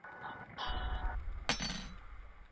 ګل سرخ وي له کابل تر سخي جانه